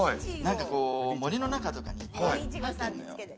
森の中とかにいっぱい生えてるのよ。